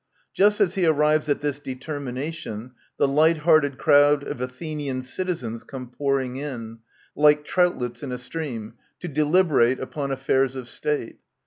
Just as he arrives at this determination, the light hearted crowd of Athenian citizens comes pouring in, "like troutlets in a stream," to deliberate Upon affairs of State.